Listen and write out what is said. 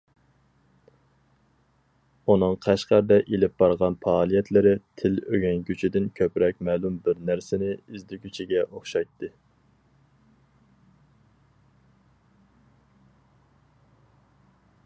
ئۇنىڭ قەشقەردە ئېلىپ بارغان پائالىيەتلىرى تىل ئۆگەنگۈچىدىن كۆپرەك مەلۇم بىر نەرسىنى ئىزدىگۈچىگە ئوخشايتتى.